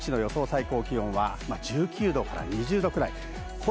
最高気温は１９度から２０度くらい。